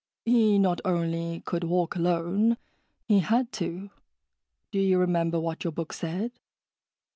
"He not only could walk alone, he had to. Do you remember what your book said?"